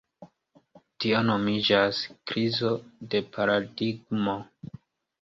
Tio nomiĝas "krizo de paradigmo".